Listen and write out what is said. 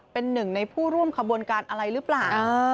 เป็นหนึ่งในผู้ร่วมขบวนการอะไรหรือเปล่า